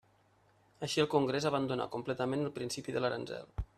Així el Congrés abandonà completament el principi de l'aranzel.